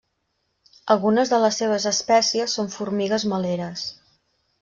Algunes de les seves espècies són formigues meleres.